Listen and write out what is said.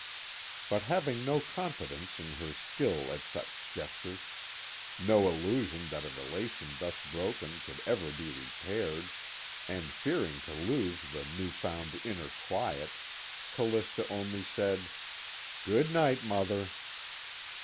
But having no confidence in her skill at such gestures, no illusion that a relation thus broken could ever be repaired, and fearing to lose the new found inner quiet, Callista only said: "Good night, Mother."